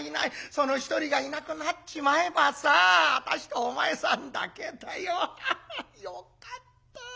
その一人がいなくなっちまえばさ私とお前さんだけだよ。よかった。